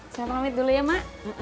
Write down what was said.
saya pamit dulu ya mak